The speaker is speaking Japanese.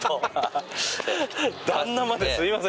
旦那まですみません